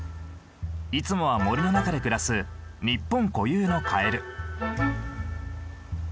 いつもは森の中で暮らす日本固有のカエル。